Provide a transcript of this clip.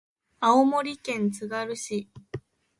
青森県つがる市